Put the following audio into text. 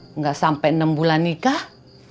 tidak sampai enam bulan nikah